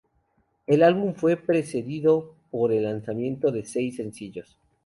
El álbum fue precedido por el lanzamiento de seis sencillos.